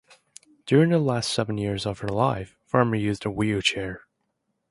During the last seven years of her life, Farmer used a wheelchair.